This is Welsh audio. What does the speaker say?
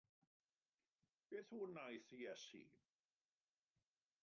Beth a wnaeth Iesu?